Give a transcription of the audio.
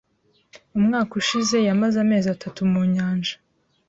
Umwaka ushize, yamaze amezi atatu mu Nyanja.